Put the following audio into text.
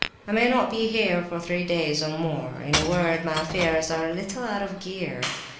I may not be here for three days or more; in a word, my affairs are a little out of gear.